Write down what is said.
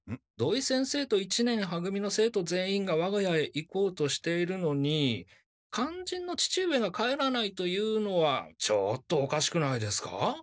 土井先生と一年は組の生徒全員が我が家へ行こうとしているのに肝心の父上が帰らないというのはちょっとおかしくないですか？